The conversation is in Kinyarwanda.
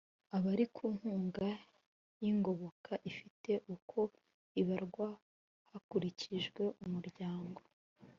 Abari ku nkunga y’ingoboka ifite uko ibarwa hakurikijwe umuryango